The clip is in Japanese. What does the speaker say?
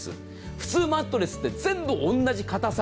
普通マットレスって全部同じ硬さ。